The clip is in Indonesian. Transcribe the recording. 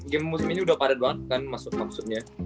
game musim ini udah padat banget kan maksudnya